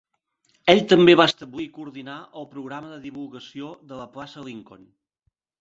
Ell també va establir i coordinar el programa de divulgació de la plaça Lincoln.